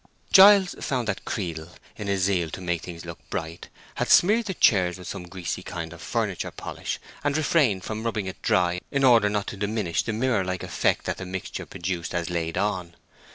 Giles found that Creedle, in his zeal to make things look bright, had smeared the chairs with some greasy kind of furniture polish, and refrained from rubbing it dry in order not to diminish the mirror like effect that the mixture produced as laid on.